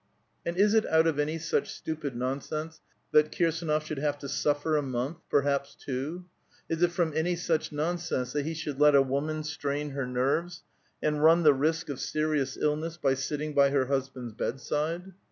And is it out of any such stupid nonsense that Kirsdnof ishould have to suffer a month, perhaps two ? Is it from any lauch nonsense that he should let a woman strain her nerves, si, ud run the risk of serious illness by sitting by her husband's "bedside